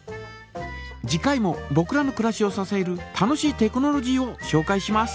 次回もぼくらのくらしをささえる楽しいテクノロジーをしょうかいします。